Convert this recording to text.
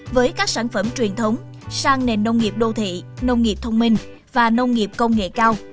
với các sản phẩm truyền thống sang nền nông nghiệp đô thị nông nghiệp thông minh và nông nghiệp công nghệ cao